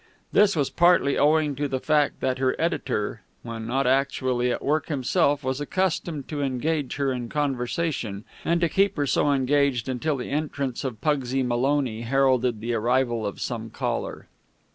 This was partly owing to the fact that her editor, when not actually at work himself, was accustomed to engage her in conversation, and to keep her so engaged until the entrance of Pugsy Maloney heralded the arrival of some caller.